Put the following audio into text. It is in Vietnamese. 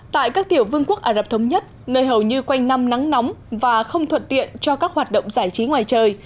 tại các tiểu vương quốc ả rập thống nhất nơi hầu như quanh năm nắng nóng và không thuận tiện cho các hoạt động giải trí ngoài trời